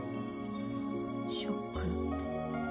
ショック？